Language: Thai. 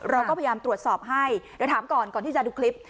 เราก็พยายามตรวจสอบให้เดี๋ยวถามก่อนก่อนที่จะดูคลิป